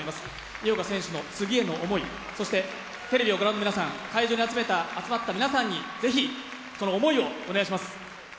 井岡選手の次への思い、テレビの前の皆さん、会場に集まった皆さんにぜひその思いをお願いします。